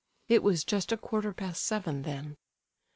It was just a quarter past seven then.